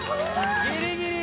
ギリギリ。